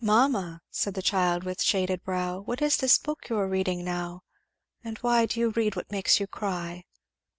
"'Mamma,' said the child with shaded brow, 'What is this book you are reading now? And why do you read what makes you cry?'